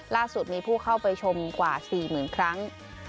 ล่าสุดมีผู้เข้าไปชมกว่า๔๐๐๐ครั้ง